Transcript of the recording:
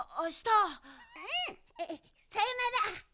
うん。さよなら！